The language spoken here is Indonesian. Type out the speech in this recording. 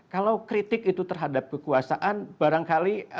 kalau kritik itu terhadap kekuasaan barangkali